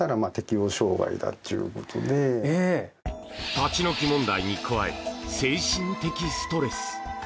立ち退き問題に加え精神的ストレス。